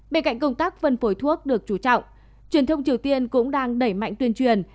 bên cạnh công tác phân phối thuốc được chú trọng truyền thông triều tiên cũng đang đẩy mạnh tuyên truyền